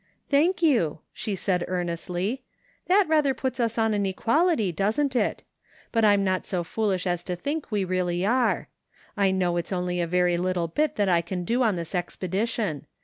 " Thank you," she said earnestly, " That rather puts us on an equality, doesn't it ? But I'm not so foolish as to think we really are. I know it's only a very little bit that I can do on this expedition.